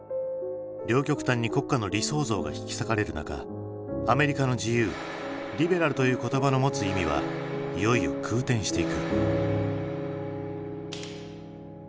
両極端に国家の理想像が引き裂かれる中アメリカの自由リベラルという言葉の持つ意味はいよいよ空転していく。